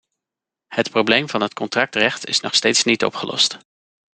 Het probleem van het contractrecht is nog steeds niet opgelost.